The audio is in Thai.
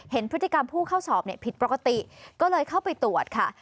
เห็นพฤติกรรมผู้เข้าสอบผิดปกติก็เลยเข้าไปตรวจค่ะ